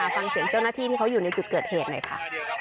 ฟังเสียงเจ้าหน้าที่ที่เขาอยู่ในจุดเกิดเหตุหน่อยค่ะ